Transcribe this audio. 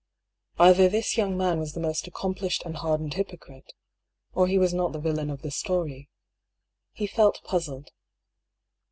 Either this young man was the most accomplished and hardened hypocrite — or he was not the villain of the story. He felt puzzled.